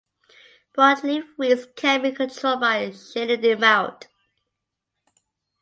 Broadleaf weeds can be controlled by shading them out.